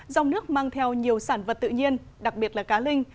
dòng nước mang theo nhiều sản vật tự nhiên đặc biệt là cá linh